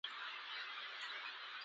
بوټي او ونې په خپلو رګونو خاوره ټینګوي.